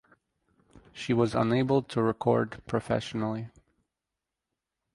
She was unable to record professionally.